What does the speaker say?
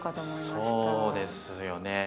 そうですよね。